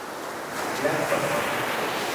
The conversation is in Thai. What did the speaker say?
แรปเปอร์ฮอต